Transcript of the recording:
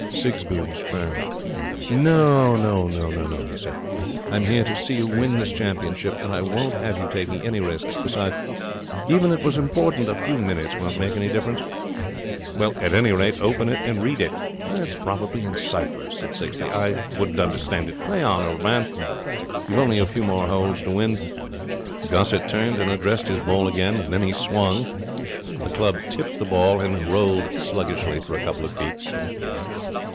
Sigsbee was firm. 'No,' he said. 'I'm here to see you win this championship and I won't have you taking any risks. Besides, even if it was important, a few minutes won't make any difference.' 'Well, at any rate, open it and read it.' 'It is probably in cipher,' said Sigsbee. 'I wouldn't understand it. Play on, old man. You've only a few more holes to win.' Gossett turned and addressed his ball again. Then he swung. The club tipped the ball, and it rolled sluggishly for a couple of feet.